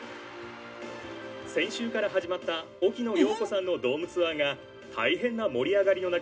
先週から始まった沖野ヨーコさんのドームツアーが大変な盛り上がりの中